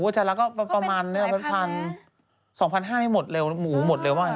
อเจมส์ก็ประมาณ๒๕๐๐ให้หมดหมูหมดเร็วมาก